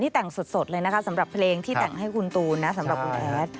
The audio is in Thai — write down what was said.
แต่งสดเลยนะคะสำหรับเพลงที่แต่งให้คุณตูนนะสำหรับคุณแอด